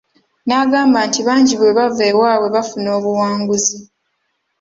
N'agamba nti bangi bwe bava ewaabwe bafuna obuwanguzi.